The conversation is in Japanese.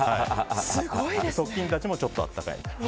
側近たちもちょっと暖かい。